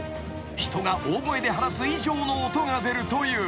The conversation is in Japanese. ［人が大声で話す以上の音が出るという］